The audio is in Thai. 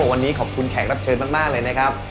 วันนี้ขอบคุณแขกรับเชิญมากเลยนะครับ